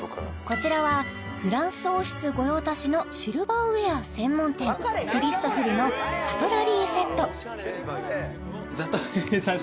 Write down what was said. こちらはフランス王室御用達のシルバーウエア専門店クリストフルのカトラリーセット